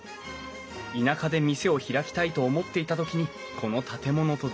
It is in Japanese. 田舎で店を開きたいと思っていた時にこの建物と出会い